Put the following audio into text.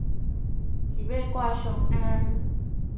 一馬掛雙鞍